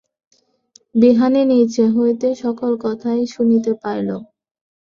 বিহারী নীচে হইতে সকল কথাই শুনিতে পাইল।